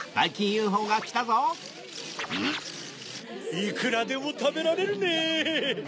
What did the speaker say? いくらでもたべられるね。